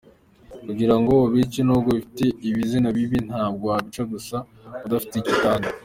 Kugira ngo ubice nubwo bifite ibizina bibi, ntabwo wabica gusa udafite icyo utanga.